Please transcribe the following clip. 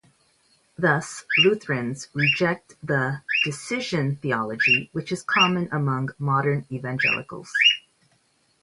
Thus, Lutherans reject the "decision theology" which is common among modern evangelicals.